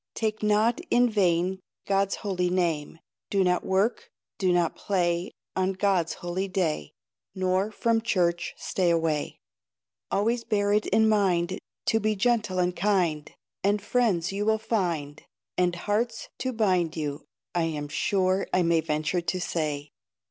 Take not in vain God's holy name, Do not work, Do not play On God's holy day, Nor from church stay away; Always bear it in mind To be gentle and kind, And friends you will find, And hearts to you bind, I am sure I may venture to say.